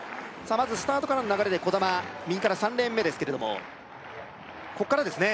まずスタートからの流れで兒玉右から３レーン目ですけれどもここからですね